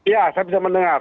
ya saya bisa mendengar